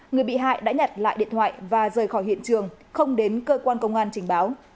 người bị hại đã nhặt lại điện thoại và rời khỏi hiện trường không đến cơ quan công an trình báo